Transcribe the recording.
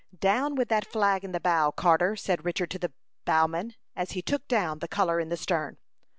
"Down with that flag in the bow, Carter," said Richard to the bowman, as he took down the color in the stern.